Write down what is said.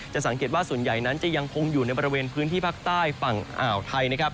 สังเกตว่าส่วนใหญ่นั้นจะยังคงอยู่ในบริเวณพื้นที่ภาคใต้ฝั่งอ่าวไทยนะครับ